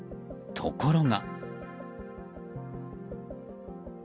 ところが。